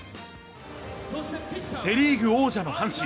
セ・リーグ王者の阪神。